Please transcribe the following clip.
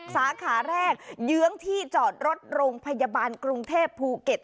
สาขาแรกเยื้องที่จอดรถโรงพยาบาลกรุงเทพภูเก็ต